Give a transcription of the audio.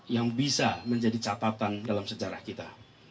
yang bisa menjadi catatan dalam sejarah kita